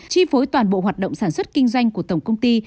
chi phối toàn bộ hoạt động sản xuất kinh doanh của tổng công ty